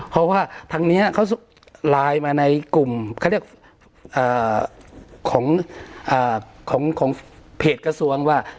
เพราะว่าทางนี้เขาไลน์มาในกลุ่มเขาเรียกของเพจกระทรวงว่า